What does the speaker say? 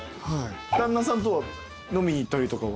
旦那さんと飲みに行ったりとかは？